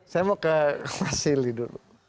saya mau ke mas silly dulu